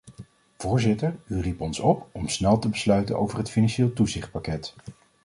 Voorzitter, u riep ons op om snel te besluiten over het financieel toezichtpakket.